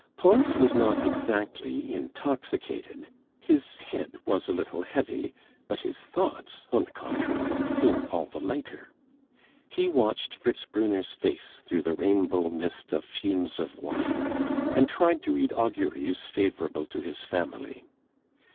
Pons was not exactly intoxicated; his head was a little heavy, but his thoughts, on the contrary, seemed all the lighter; he watched Fritz Brunner's face through the rainbow mist of fumes of wine, and tried to read auguries favorable to his family.